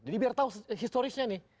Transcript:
jadi biar tahu historisnya nih